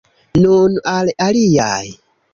Nun al aliaj!